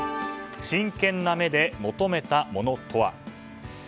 真剣な目で求めたものとは？